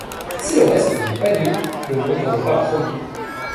Si le reste n'est pas nul, le nombre n'est pas premier.